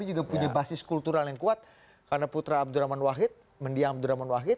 jelang penutupan pendaftaran